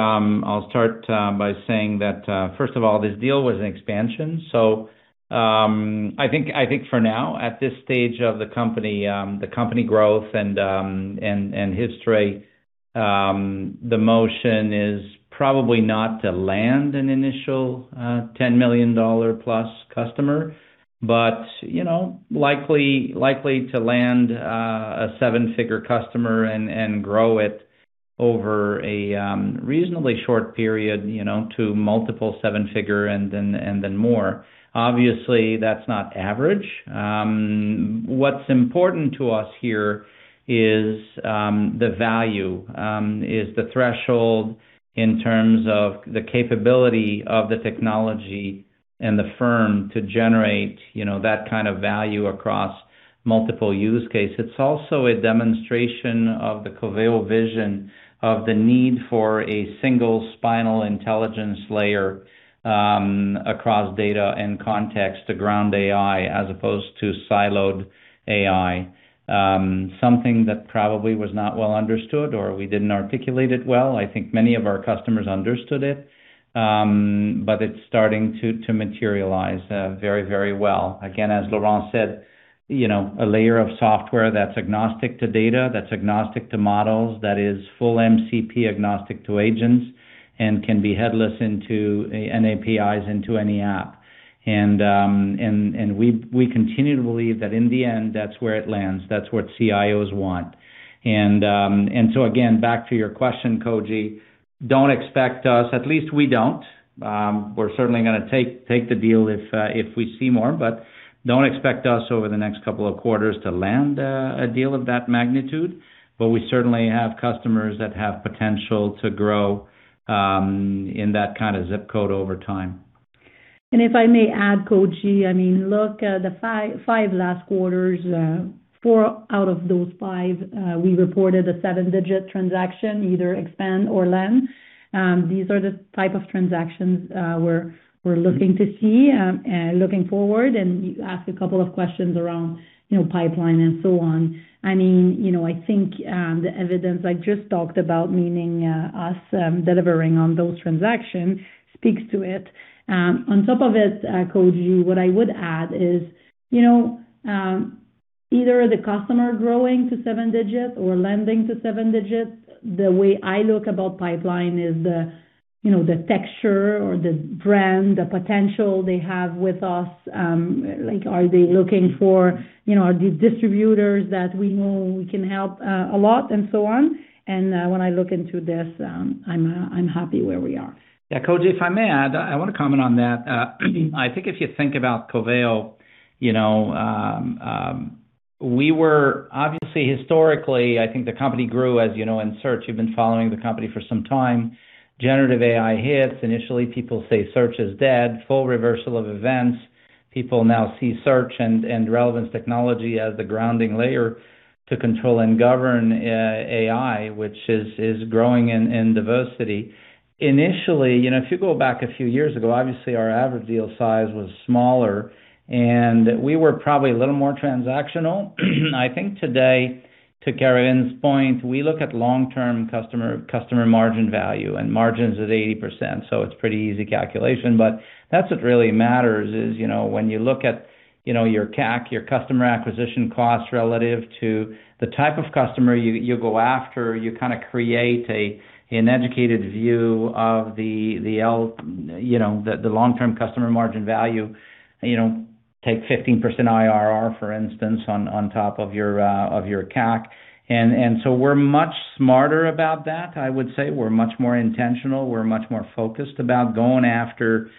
I'll start by saying that, first of all, this deal was an expansion. I think for now, at this stage of the company growth and history, the motion is probably not to land an initial $10+ million customer, but likely to land a seven-figure customer and grow it over a reasonably short period to multiple seven-figure and then more. Obviously, that's not average. What's important to us here is the value, is the threshold in terms of the capability of the technology and the firm to generate that kind of value across multiple use case. It's also a demonstration of the Coveo vision of the need for a single spinal intelligence layer across data and context to ground AI as opposed to siloed AI. Something that probably was not well understood or we didn't articulate it well. I think many of our customers understood it, but it's starting to materialize very well. Again, as Laurent said, a layer of software that's agnostic to data, that's agnostic to models, that is full MCP agnostic to agents, and can be headless into an APIs into any app. We continue to believe that in the end, that's where it lands, that's what CIOs want. Again, back to your question, Koji, don't expect us, at least we don't. We're certainly going to take the deal if we see more, but don't expect us over the next couple of quarters to land a deal of that magnitude, but we certainly have customers that have potential to grow in that kind of zip code over time. If I may add, Koji, look at the five last quarters, four out of those five, we reported a seven-digit transaction, either expand or land. These are the type of transactions we're looking to see, looking forward. You asked a couple of questions around pipeline and so on. I think the evidence I just talked about, meaning us delivering on those transactions speaks to it. On top of it, Koji, what I would add is either the customer growing to seven digits or landing to seven digits, the way I look about pipeline is the texture or the brand, the potential they have with us, like are they looking for. Are these distributors that we know we can help a lot and so on. When I look into this, I'm happy where we are. Yeah. Koji, if I may add, I want to comment on that. I think if you think about Coveo, we were obviously historically, I think the company grew as you know in search, you've been following the company for some time. Generative AI hits. Initially, people say search is dead. Full reversal of events. People now see search and relevance technology as the grounding layer to control and govern AI, which is growing in diversity. Initially, if you go back a few years ago, obviously our average deal size was smaller, and we were probably a little more transactional. I think today, to Karine's point, we look at long-term customer margin value, and margin's at 80%, so it's pretty easy calculation. That's what really matters, is when you look at your CAC, your customer acquisition cost relative to the type of customer you go after, you create an educated view of the long-term customer margin value. Take 15% IRR, for instance, on top of your CAC. We're much smarter about that, I would say. We're much more intentional. We're much more focused about going after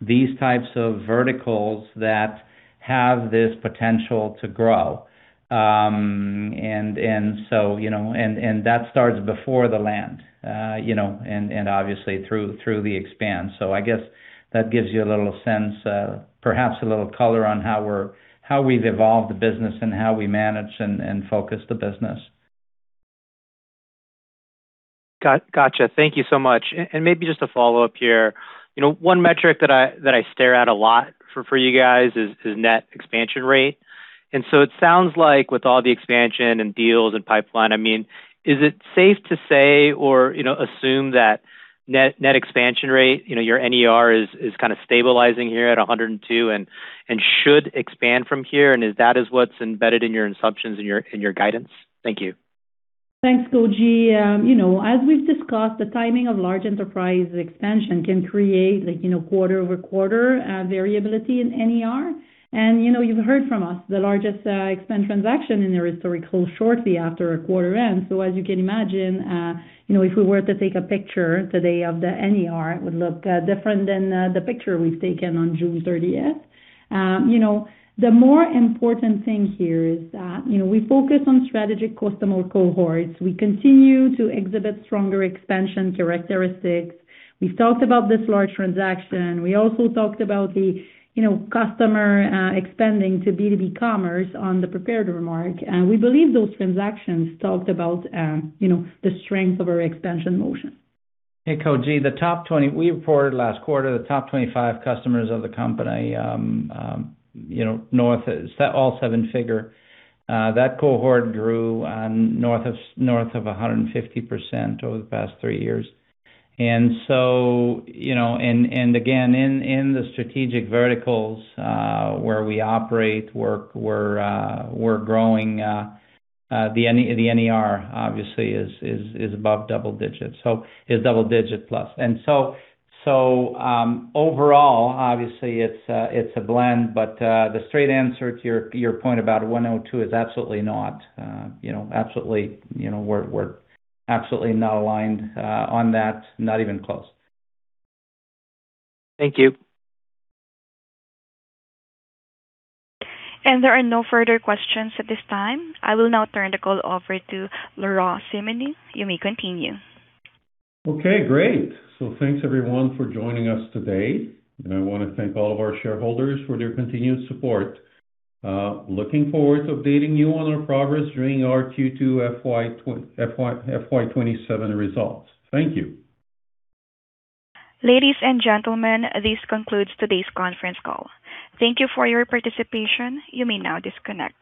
these types of verticals that have this potential to grow. That starts before the land and obviously through the expand. I guess that gives you a little sense, perhaps a little color on how we've evolved the business and how we manage and focus the business. Gotcha. Thank you so much. Maybe just a follow-up here. One metric that I stare at a lot for you guys is net expansion rate. It sounds like with all the expansion and deals and pipeline, is it safe to say or assume that net expansion rate, your NER is kind of stabilizing here at 102% and should expand from here, and that is what's embedded in your assumptions in your guidance? Thank you. Thanks, Koji. As we've discussed, the timing of large enterprise expansion can create quarter-over-quarter variability in NER. You've heard from us the largest expand transaction in the history closed shortly after a quarter end. As you can imagine, if we were to take a picture today of the NER, it would look different than the picture we've taken on June 30th. The more important thing here is that we focus on strategic customer cohorts. We continue to exhibit stronger expansion characteristics. We've talked about this large transaction. We also talked about the customer expanding to B2B commerce on the prepared remark. We believe those transactions talked about the strength of our expansion motion. Hey, Koji. We reported last quarter, the top 25 customers of the company, all seven figure. That cohort grew north of 150% over the past three years. Again, in the strategic verticals where we operate, we're growing. The NER obviously is above double digits, so is double digit plus. Overall, obviously it's a blend, but the straight answer to your point about 102 is absolutely not. We're absolutely not aligned on that, not even close. Thank you. There are no further questions at this time. I will now turn the call over to Laurent Simoneau. You may continue. Okay, great. Thanks, everyone, for joining us today. I want to thank all of our shareholders for their continued support. Looking forward to updating you on our progress during our Q2 FY 2027 results. Thank you. Ladies and gentlemen, this concludes today's conference call. Thank you for your participation. You may now disconnect.